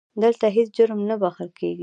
دلته هیڅ جرم نه بښل کېږي.